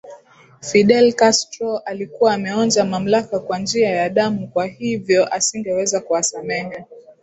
Fidel Castro alikuwa ameonja mamlaka kwa njia ya damu kwa hivyo asingeweza kuwasamehe